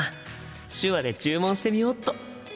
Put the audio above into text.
手話で注文してみよっと！